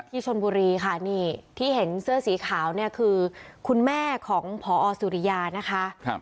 ชนบุรีค่ะนี่ที่เห็นเสื้อสีขาวเนี่ยคือคุณแม่ของพอสุริยานะคะ